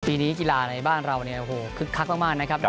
ปีนี้กีฬาในบ้านเราเนี่ยโอ้โหคึกคักมากนะครับ